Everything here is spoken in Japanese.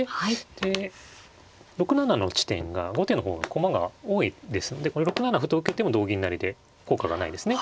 で６七の地点が後手の方が駒が多いですのでこれ６七歩と受けても同銀成で効果がないですね。